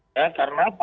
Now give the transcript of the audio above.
ya karena pengalaman